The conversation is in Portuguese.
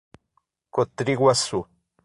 Cotriguaçu